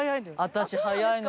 私速いの。